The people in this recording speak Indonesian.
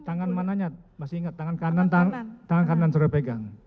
tangan mananya masih ingat tangan kanan suruh dia pegang